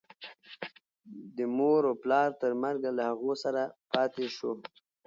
د مور و پلار تر مرګه له هغو سره پاتې شو.